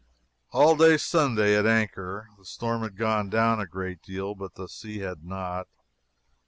All day Sunday at anchor. The storm had gone down a great deal, but the sea had not.